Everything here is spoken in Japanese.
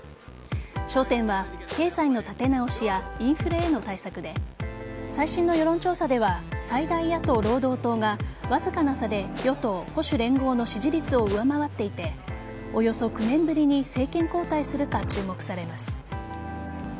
焦点は経済の立て直しやインフレへの対策で最新の世論調査では最大野党・労働党がわずかな差で与党・保守連合の支持率を上回っていておよそ９年ぶりに政権交代するか注目されます。